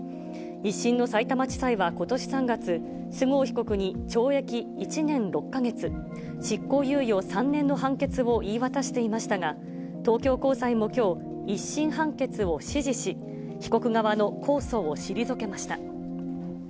１審のさいたま地裁はことし３月、須郷被告に懲役１年６か月、執行猶予３年の判決を言い渡していましたが、東京高裁もきょう、１審判決を支持し、被告側の控訴を退けました。